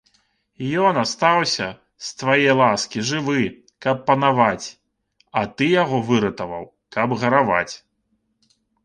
Ён астаўся, з твае ласкі, жывы, каб панаваць, а ты яго выратаваў, каб гараваць.